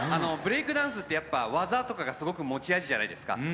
ブレイクダンスって、やっぱ、技とかが、すごく持ち味じゃないですか。